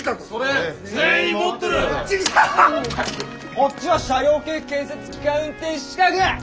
こっちは車両系建設機械運転資格！